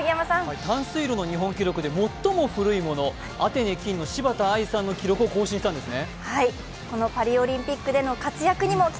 短水路の日本記録で最も古いもの、アテネ金の柴田亜衣さんの記録を更新したんですね。